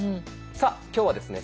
さあ今日はですね